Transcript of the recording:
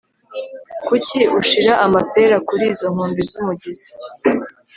kuki ushira amapera kuri izo nkombe z'umugezi